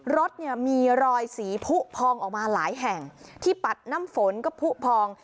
รถเนี่ยมีรอยสีผู้พองออกมาหลายแห่งที่ปัดน้ำฝนก็ผู้พอง